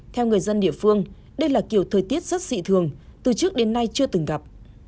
theo người dân địa phương đây là kiểu thời tiết rất dị thường từ trước đến nay chưa từng gặp